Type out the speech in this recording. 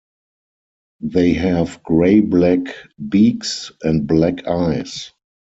They have gray-black beaks and black eyes.